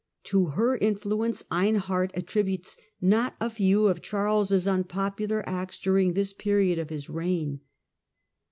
To her influence Einhard attributes not a few of Charles' un popular acts during this period of his reign.